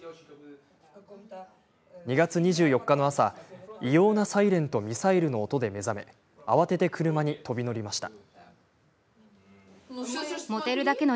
２月２４日の朝異様なサイレンとミサイルの音で目覚め慌てて車に飛び乗りました。